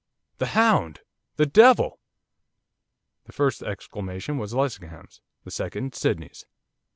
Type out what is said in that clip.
'The hound!' 'The devil!' The first exclamation was Lessingham's, the second Sydney's.